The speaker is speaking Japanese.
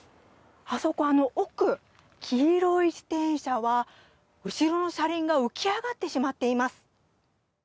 あそこ、奥黄色い自転車は後ろの車輪が浮き上がってしまっています。